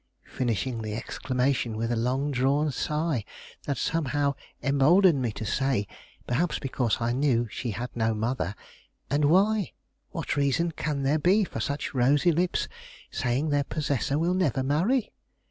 finishing the exclamation with a long drawn sigh, that somehow emboldened me to say, perhaps because I knew she had no mother: "And why? What reason can there be for such rosy lips saying their possessor will never marry?"